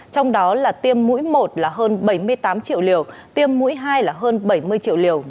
trong đó là tiêm mũi một là hơn bảy mươi tám triệu liều tiêm mũi hai là hơn bảy mươi triệu liều